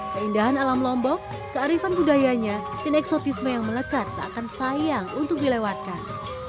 keindahan alam lombok kearifan budayanya dan eksotisme yang melekat seakan sayang untuk dilewatkan